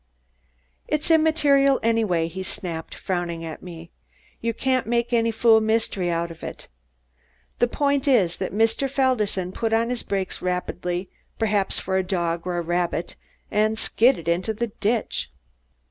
"It's immaterial anyway," he snapped, frowning at me. "You can't make any fool mystery out of it. The point is that Mr. Felderson put on his brakes rapidly, perhaps for a dog or a rabbit, and skidded into the ditch."